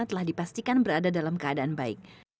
telah dipastikan berada dalam keadaan baik